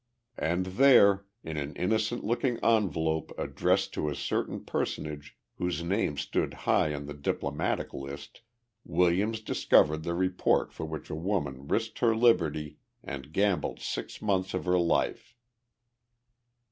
And there, in an innocent looking envelope addressed to a certain personage whose name stood high on the diplomatic list, Williams discovered the report for which a woman risked her liberty and gambled six months of her life!